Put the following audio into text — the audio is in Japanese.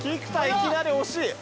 いきなり惜しい。